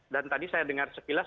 dan tadi saya dengar sepilas